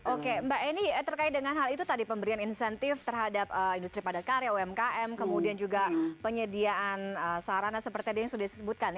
oke mbak eni terkait dengan hal itu tadi pemberian insentif terhadap industri padat karya umkm kemudian juga penyediaan sarana seperti tadi yang sudah disebutkan